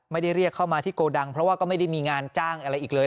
เรียกเข้ามาที่โกดังเพราะว่าก็ไม่ได้มีงานจ้างอะไรอีกเลย